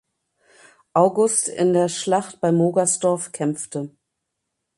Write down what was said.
August in der Schlacht bei Mogersdorf kämpfte.